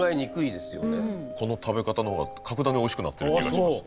この食べ方の方が格段においしくなってる気がします。